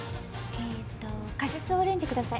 えっとカシスオレンジ下さい。